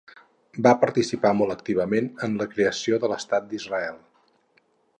Va participar molt activament en la creació de l'Estat d'Israel.